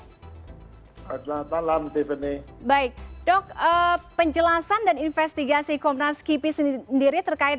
selamat malam tiffany baik dok penjelasan dan investigasi komnas kipi sendiri terkait